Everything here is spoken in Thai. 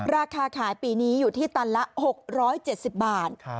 ราคาขายปีนี้อยู่ที่ตันละ๖๗๐บาท